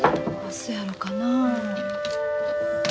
そやろかな。